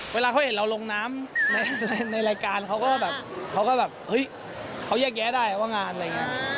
เวลาเขาเห็นเราลงน้ำในรายการเขาก็แบบเขาก็แบบเฮ้ยเขาแยกแยะได้ว่างานอะไรอย่างนี้